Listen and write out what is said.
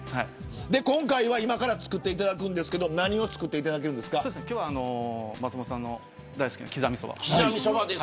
今から作っていただきますが何を作っていただけるんですか松本さんの大好きなきざみそば。